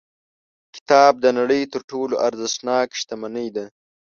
کتاب د نړۍ تر ټولو ارزښتناک شتمنۍ ده.